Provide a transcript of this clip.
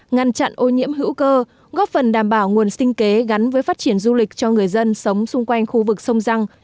ngăn chặn ô nhiễm hữu cơ góp phần đảm bảo nguồn sinh kế gắn với phát triển du lịch cho người dân sống xung quanh khu vực sông răng